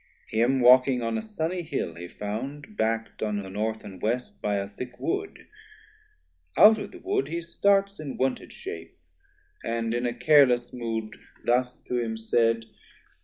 Him walking on a Sunny hill he found, Back'd on the North and West by a thick wood, Out of the wood he starts in wonted shape; And in a careless mood thus to him said.